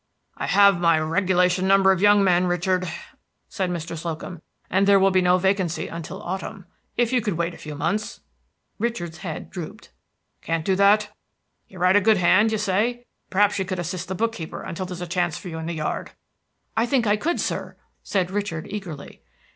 "I have my regulation number of young men, Richard," said Mr. Slocum, "and there will be no vacancy until autumn. If you could wait a few months." Richard's head drooped. "Can't do that? You write a good hand, you say. Perhaps you could assist the book keeper until there's a chance for you in the yard." "I think I could, sir," said Richard eagerly.